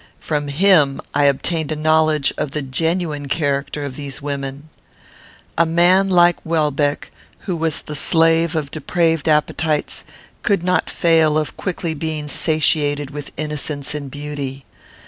From him I obtained a knowledge of the genuine character of these women. A man like Welbeck, who was the slave of depraved appetites, could not fail of being quickly satiated with innocence and beauty.